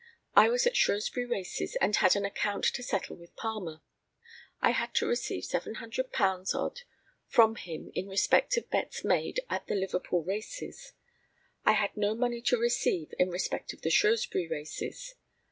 I was at Shrewsbury races, and had an account to settle with Palmer. I had to receive £700 odd from him in respect of bets made at the Liverpool races. I had no money to receive in respect of the Shrewsbury races.